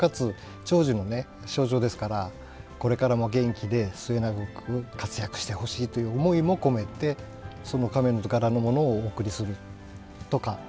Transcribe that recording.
長寿の象徴ですからこれからも元気で末永く活躍してほしいという思いも込めてその亀の図柄のものをお贈りするとかするんですね。